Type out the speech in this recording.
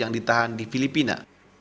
yang ditahan di filipina